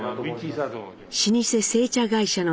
老舗製茶会社の代表